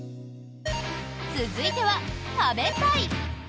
続いては、「食べたい」。